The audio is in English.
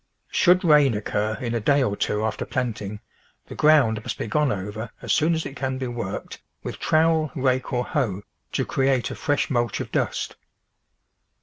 Should rain occur in a day or two after planting, the ground must be gone over, as soon as it can be worked, with trowel, rake, or hoe, to create a fresh mulch of dust.